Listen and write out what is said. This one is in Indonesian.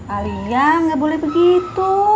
alia gak boleh begitu